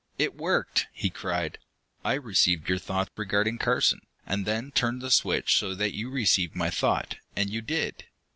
"It worked!" he cried. "I received your thought regarding Carson, and then turned the switch so that you received my thought. And you did!"